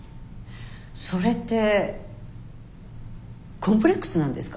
それってコンプレックスなんですか？